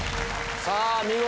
さぁ見事。